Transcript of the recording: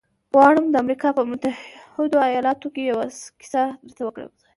غواړم د امریکا په متحدو ایالتونو کې یوه کیسه درته وکړم